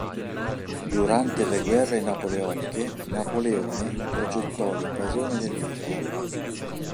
Durante le guerre napoleoniche, Napoleone progettò l'invasione dell'isola.